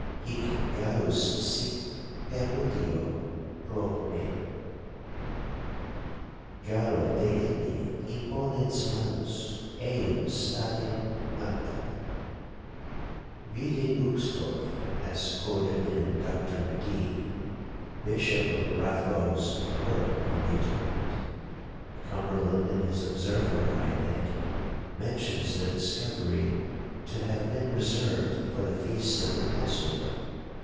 Hic Gallus sit permutio pro me, &c. Gallo deinde imponens manus, eum statim mactat, &c. Vide Buxtorf, as quoted in Dr Magee (Bishop of Raphoe's) work on the atonement. Cumberland in his Observer, I think, mentions the discovery to have been reserved for the feast of the Passover.